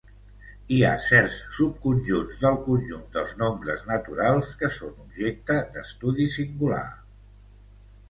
Hi ha certs subconjunts del conjunt dels nombres naturals que són objecte d'estudi singular.